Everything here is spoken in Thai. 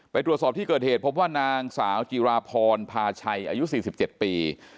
ตรวจสอบที่เกิดเหตุพบว่านางสาวจิราพรพาชัยอายุ๔๗ปี